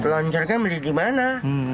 lonjarkan beli di mana